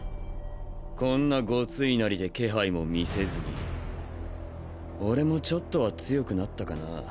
こんなゴツいなりで気配も見せずに俺もちょっとは強くなったかな。